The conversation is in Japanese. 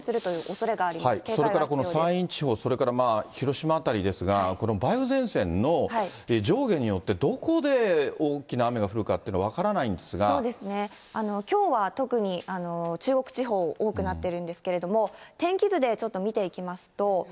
それからこの山陰地方、それから広島辺りですが、この梅雨前線の上下によってどこで大きな雨が降るかっていうのはそうですね、きょうは特に、中国地方、多くなってるんですけれども、天気図でちょっと見ていきますと。